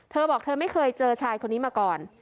เธอบอกเธอไม่เคยเจอชายคนนี้มาก่อน